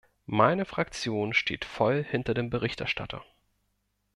Meine Fraktion steht voll hinter dem Berichterstatter.